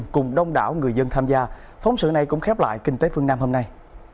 cùng đông đảo người dân tham gia phóng sự này cũng khép lại kinh tế phương nam hôm nay